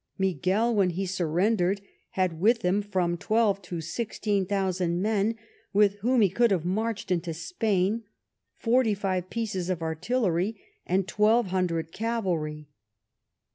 Miguel, when he surrendered, had with him from twelve to sixteen thousand men, with whom he could have marched into Spain, forty five pieces of artillery, and twelve hundred cavalry.